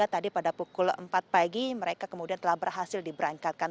jadi pada pukul empat pagi mereka kemudian telah berhasil diberangkatkan